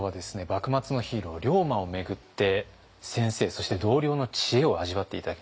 幕末のヒーロー龍馬を巡って先生そして同僚の知恵を味わって頂きました。